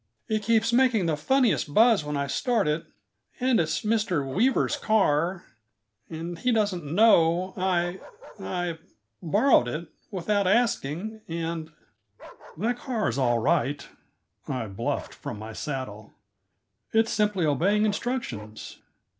"It keeps making the funniest buzz when I start it and it's Mr. Weaver's car, and he doesn't know I I borrowed it without asking, and " "That car is all right," I bluffed from my saddle. "It's simply obeying instructions.